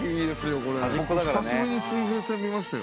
これ僕久しぶりに水平線見ましたよ